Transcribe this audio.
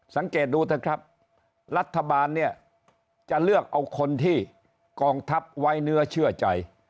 สังเกตดูเถอะครับรัฐบาลเนี่ยจะเลือกเอาคนที่กองทัพไว้เนื้อเชื่อใจ